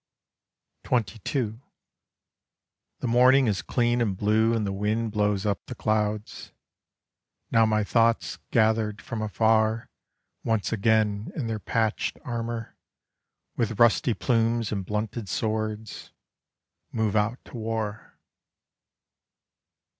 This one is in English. XXII The morning is clean and blue and the wind blows up the clouds: Now my thoughts gathered from afar Once again in their patched armour, with rusty plumes and blunted swords, Move out to war.